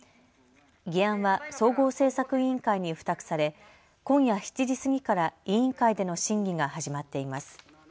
議案は総合政策委員会に付託され今夜７時過ぎから委員会での審議が始まっています。